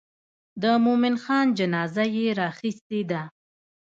د مومن خان جنازه یې راخیستې ده.